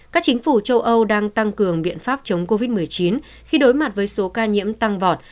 các chính phủ châu âu đang tăng cường biện pháp chống covid một mươi chín khi đối mặt với số ca nhiễm tăng vọt